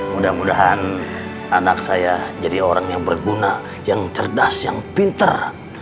mudah mudahan anak saya jadi orang yang berguna yang cerdas yang pinter